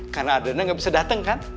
karena ardana gak bisa dateng kan